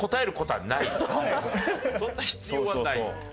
そんな必要はない。